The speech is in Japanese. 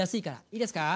いいですか。